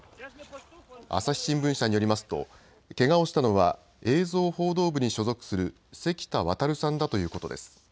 朝日新聞社によりますとけがをしたのは映像報道部に所属する関田航さんだということです。